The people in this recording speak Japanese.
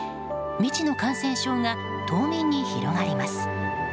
未知の感染症が島民に広がります。